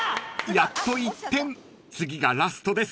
［やっと１点次がラストです］